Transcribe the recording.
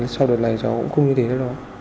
sau đợt này cháu cũng không như thế nữa